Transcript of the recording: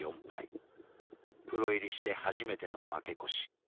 プロ入りして初めての負け越し。